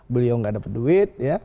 beliau nggak dapat duit